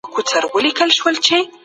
ارام خوب به ستاسو حافظه قوي کړي.